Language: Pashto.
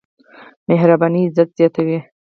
مهرباني عزت زياتوي.